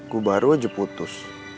gue baru aja putus